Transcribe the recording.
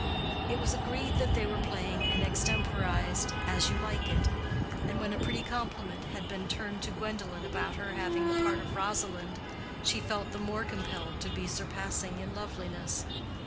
It was agreed that they were playing an extemporized As you like it; and when a pretty compliment had been turned to Gwendolen about her having the part of Rosalind, she felt the more compelled to be surpassing in loveliness.